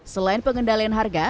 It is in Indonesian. selain pengendalian harga